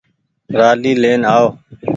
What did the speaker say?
رآلي لين آئو۔